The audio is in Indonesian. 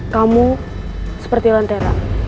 kamu seperti lantera